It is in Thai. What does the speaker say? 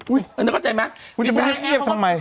อุ้ยไม่ได้น่ะเข้าใจไหมถูกแบบนั้นรู้มั้ย